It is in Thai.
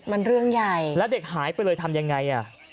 มันเรื่องใหญ่แล้วเด็กหายไปเลยทำยังไงอ่ะ